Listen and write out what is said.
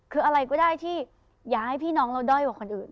คืออะไรก็ได้ที่อย่าให้พี่น้องเราด้อยกว่าคนอื่น